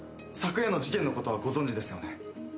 昨夜の事件のことはご存じですよね？